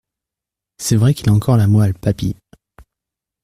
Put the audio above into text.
C’est vrai qu’il a encore la moelle, papy.